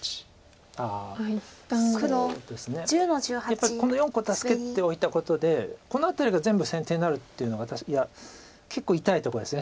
やっぱりこの４個を助けておいたことでこの辺りが全部先手になるっていうのが結構痛いとこです